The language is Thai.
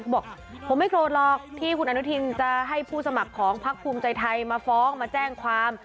บอกผมไม่โกรธหรอกที่คุณอนุทินจะให้ผู้สมัครของพักภูมิใจไทยมาฟ้องมาแจ้งความ